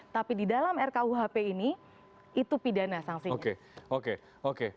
tapi di dalam rkuhp ini itu pidana sanksinya